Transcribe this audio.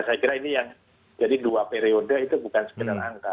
saya kira ini yang jadi dua periode itu bukan sekedar angka